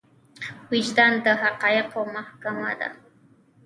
وجدان د حقايقو محکمه ده.